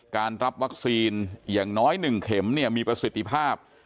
การรับวัคซีนอย่างน้อย๑เข็มเนี่ยมีประสิทธิภาพ